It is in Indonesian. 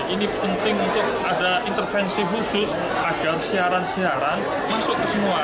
ini penting untuk ada intervensi khusus agar siaran siaran masuk ke semua